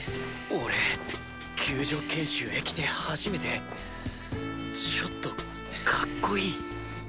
俺救助研修へ来て初めてちょっとカッコいい？